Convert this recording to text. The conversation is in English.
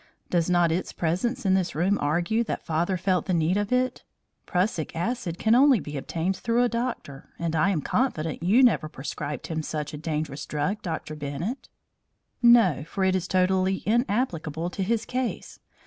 Does not its presence in this room argue that father felt the need of it. Prussic acid can only be obtained through a doctor, and I am confident you never prescribed him such a dangerous drug, Dr. Bennett." "No, for it is totally inapplicable to his case.